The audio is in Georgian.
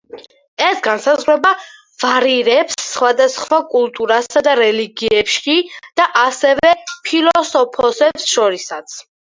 ეს განსაზღვრება ვარირებს სხვადასხვა კულტურასა და რელიგიებში, და ასევე ფილოსოფოსებს შორისაც.